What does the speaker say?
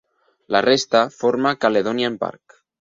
La resta forma Caledonian Park.